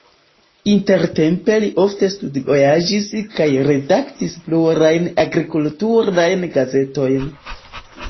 Intertempe li ofte studvojaĝis kaj redaktis plurajn agrikulturajn gazetojn.